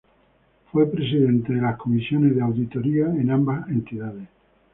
De ambas entidades fue Presidente de las comisiones de auditoría.